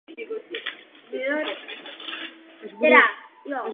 Množství tiskáren způsobilo také pokles ceny knih a vznik a rozvoj skutečného knižního trhu.